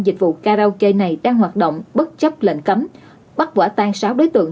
dịch vụ karaoke này đang hoạt động bất chấp lệnh cấm bắt quả tan sáu đối tượng